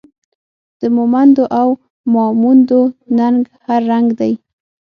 د مومندو او ماموندو ننګ هر رنګ دی